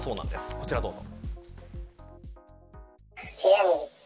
こちらどうぞ。